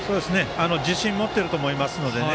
自信を持っていると思いますのでね。